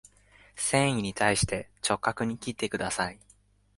繊維に対して直角に切ってください